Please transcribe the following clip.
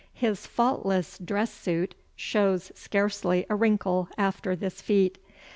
His faultless dress suit shows scarcely a wrinkle after this feat.